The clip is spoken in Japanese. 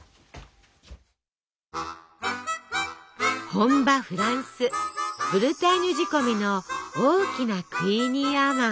本場フランスブルターニュ仕込みの大きなクイニーアマン。